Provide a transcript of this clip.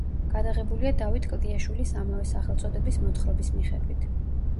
გადაღებულია დავით კლდიაშვილის ამავე სახელწოდების მოთხრობის მიხედვით.